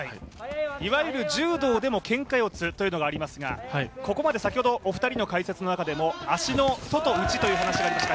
いわゆる柔道でもけんか四つというのがありますけど、ここまで先ほどお二人の解説の中でも足の外、内という話がありました。